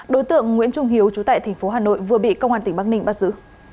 đối tượng nguyễn trung hiếu chú tại tp hà nội vừa bị công an tỉnh bắc ninh bắt giữ